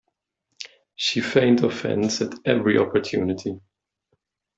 She feigned offense at every opportunity.